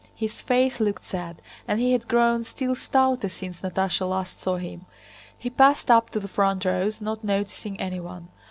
His face looked sad, and he had grown still stouter since Natásha last saw him. He passed up to the front rows, not noticing anyone.